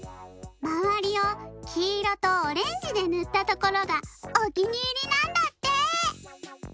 まわりをきいろとオレンジでぬったところがおきにいりなんだって！